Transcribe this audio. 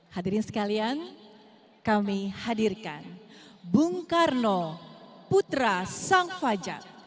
hadirin sekalian kami hadirkan bung karno putra sang fajar